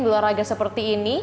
berolahraga seperti ini